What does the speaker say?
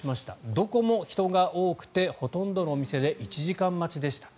どこも人が多くてほとんどの店で１時間待ちでした。